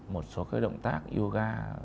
một số cái động tác yoga